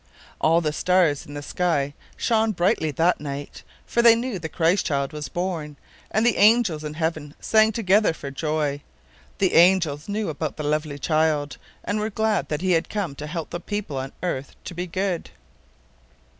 All the stars in the sky shone brightly that night, for they knew the Christ child was born, and the angels in heaven sang together for joy. The angels knew about the lovely child, and were glad that He had come to help the people on earth to be good.